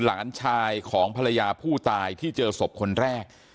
หลานชายของภรรยาผู้ตายที่เจอศพคนแรก